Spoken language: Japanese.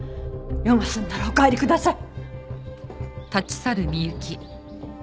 用が済んだらお帰りください。